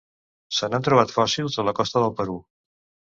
Se n'han trobat fòssils a la costa del Perú.